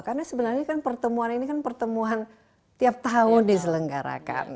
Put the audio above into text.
karena sebenarnya pertemuan ini kan pertemuan tiap tahun di selenggarakan